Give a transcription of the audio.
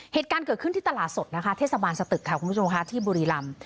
เหตุการณ์เกิดขึ้นที่ตลาดสดนะคะเทศบาลสตึกค่ะคุณผู้ชมค่ะที่บุรีรำ